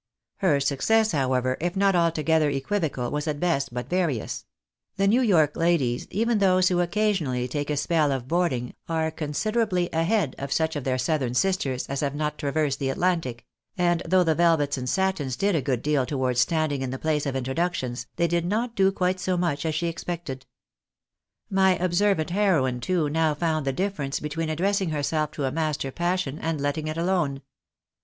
Her success, however, if not altogether equivocal, was at best hut various ; the New York ladies, even those who occasionally take a "spell of boarding," are considerably "ahead "of such of their southern sisters as have not traversed the Atlantic ; and though the velvets and satins did a good deal towards standing in the place of introductions, they did not do quite so much as she expected. My observant heroine, too, now found the difference between addressing herself to a master passion and letting it alone.